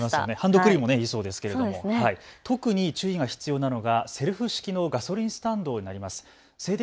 ハンドクリームもいいそうですけど特に注意が必要なのがセルフ式のガソリンスタンドになります。